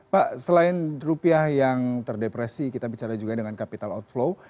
pak selain rupiah yang terdepresi kita bicara juga dengan capital outflow